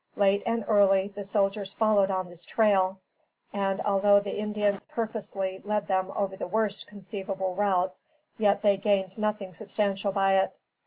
Late and early, the soldiers followed on this trail, and although the Indians purposely led them over the worst conceivable routes, yet they gained nothing substantial by it.